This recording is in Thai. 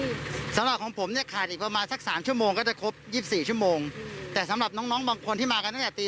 แต่สำหรับน้องบางคนที่มากันได้ตั้งแต่ตี๒กว่าแต่ฝันพันธุ์สำหรับน้องที่มากันได้ตั้งแต่เติมเข้าไป